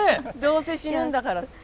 どうせ死ぬんだから。